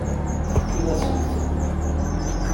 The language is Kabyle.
Tefkiḍ-asent-tent.